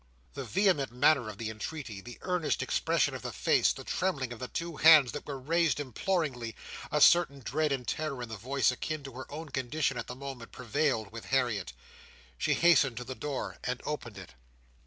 The vehement manner of the entreaty, the earnest expression of the face, the trembling of the two hands that were raised imploringly, a certain dread and terror in the voice akin to her own condition at the moment, prevailed with Harriet. She hastened to the door and opened it.